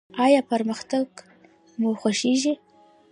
ایا پرمختګ مو خوښیږي؟